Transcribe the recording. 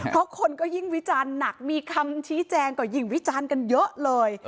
เพราะคนก็ยิ่งวิจารณ์หนักมีคำชี้แจงก็ยิ่งวิจารณ์กันเยอะเลย